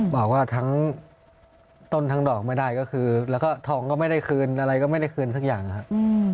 บอกว่าทั้งต้นทั้งดอกไม่ได้ก็คือแล้วก็ทองก็ไม่ได้คืนอะไรก็ไม่ได้คืนสักอย่างครับ